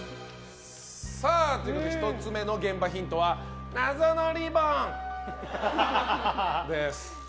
１つ目の現場ヒントは謎のリボン！です。